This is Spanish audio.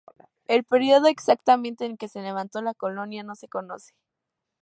El período exacto en que se levantó la colonia no se conoce.